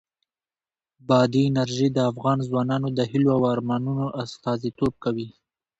بادي انرژي د افغان ځوانانو د هیلو او ارمانونو استازیتوب کوي.